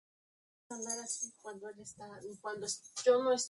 Este impacto fue el segundo mayor en la historia de la Luna.